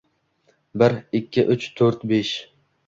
– Biiir, ikkii, uuch, to‘o‘rt, beesh…